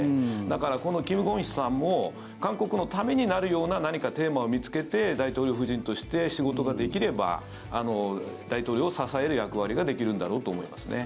だから、このキム・ゴンヒさんも韓国のためになるような何かテーマを見つけて大統領夫人として仕事ができれば大統領を支える役割ができるんだろうと思いますね。